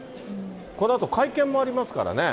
このあと会見もありますからね。